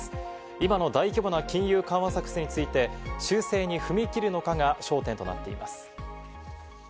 今の大規模な金融緩和策について修正に踏み切るのかが焦点となっています。